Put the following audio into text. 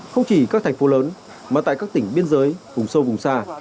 không chỉ các thành phố lớn mà tại các tỉnh biên giới vùng sâu vùng xa